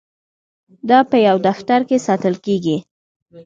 دا په یو دفتر کې ساتل کیږي.